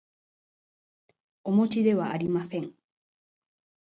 おもちではありません